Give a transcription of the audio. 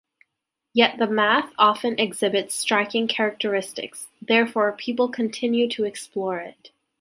Yet the math often exhibits striking characteristics, therefore people continue to explore it.